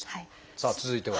さあ続いては。